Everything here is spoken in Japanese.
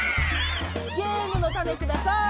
ゲームのタネください！